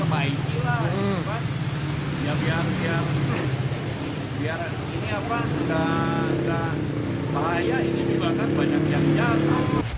bahaya ini dibawahkan banyak yang jatuh